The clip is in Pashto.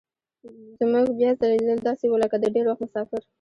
زموږ بیا ځلي لیدل داسې وو لکه د ډېر وخت مسافر.